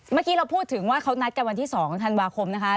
เมื่อกี้เราพูดถึงว่าเขานัดกันวันที่๒ธันวาคมนะคะ